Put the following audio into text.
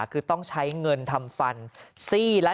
เรื่องที่หนักที่สุดก็คือค่ารักษาฟันที่ร่วงเกือบหมดปากนี่แหละ